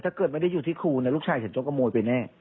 ถ้าเกิดไม่ได้อยู่ที่ครูลูกชายฉันต้องขโมยไปแน่